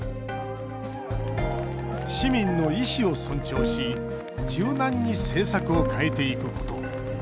市民の意思を尊重し柔軟に政策を変えていくこと。